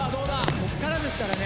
こっからですからね。